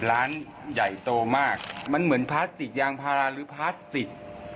ร้านใหญ่โตมากมันเหมือนพลาสติกยางพาราหรือพลาสติก